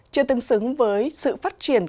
chưa tương xứng với sự phát triển